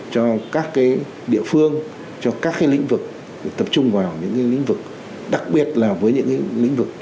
cho các địa phương cho các lĩnh vực tập trung vào những lĩnh vực đặc biệt là với những lĩnh vực